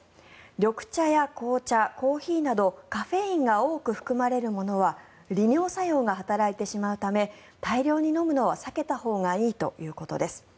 緑茶や紅茶、コーヒーなどカフェインが多く含まれるものは利尿作用が働いてしまうため大量に飲むのは避けたほうがいいということです。